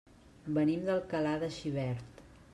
Venim d'Alcalà de Xivert.